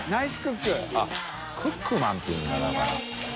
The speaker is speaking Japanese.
淵ぅ好奪クックマンっていうんだだから。